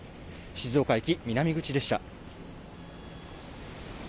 静岡駅南口でした。